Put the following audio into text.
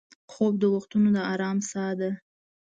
خوب د وختو د ارام سا ده